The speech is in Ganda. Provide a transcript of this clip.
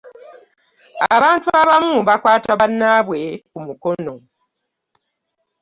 abantu abamu bakwata bannaabwe ku mukono.